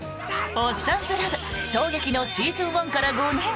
「おっさんずラブ」衝撃のシーズン１から５年。